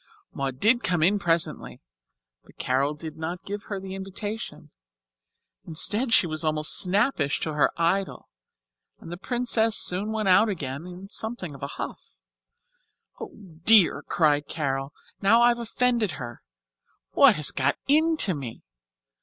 Maud did come in presently, but Carol did not give her the invitation. Instead, she was almost snappish to her idol, and the Princess soon went out again in something of a huff. "Oh, dear," cried Carol, "now I've offended her. What has got into me?